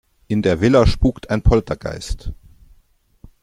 In der Villa spukt ein Poltergeist.